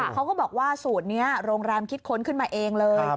เขาก็บอกว่าสูตรนี้โรงแรมคิดค้นขึ้นมาเองเลย